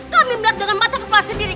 kami melihat dengan mata kepala sendiri